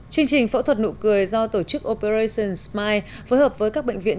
chương trình phẫu thuật nụ cười do tổ chức operation smile phối hợp với các bệnh viện